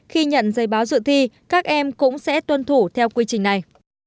khi nhận giấy báo dự thi các em cũng sẽ tuân thủ theo quy trình này